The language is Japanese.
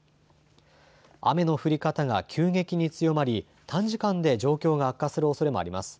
雨の降り方が急激に強まり、短時間で状況が悪化するおそれもあります。